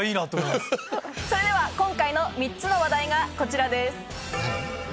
それでは今回の３つの話題がこちらです。